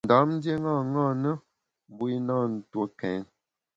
Nekâ Ndam ndié ṅaṅâ na, mbu i na ntue kèn.